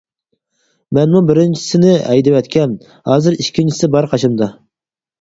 مەنمۇ بىرىنچىسىنى ھەيدىۋەتكەن، ھازىر ئىككىنچىسى بار قىشىمدا.